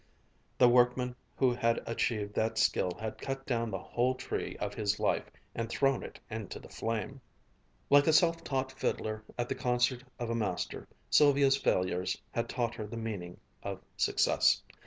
The workman who had achieved that skill had cut down the whole tree of his life and thrown it into the flame. Like a self taught fiddler at the concert of a master, Sylvia's failures had taught her the meaning of success.